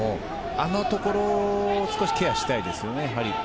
あのところを少しケアしたいですね。